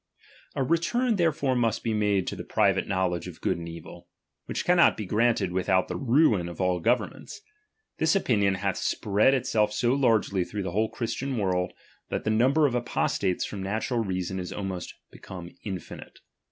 A return therefore must be made to the private knowledge of good and evil ; which cannot be granted without the ruin of all governments. This opinion hath spread itself so largely through the whole Christian world, that the number of apostates from natural reason is almost become infinite.